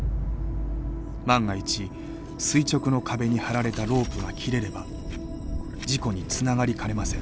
万が一垂直の壁に張られたロープが切れれば事故につながりかねません。